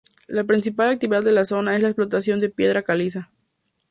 La principal actividad de la zona es la explotación de piedra caliza.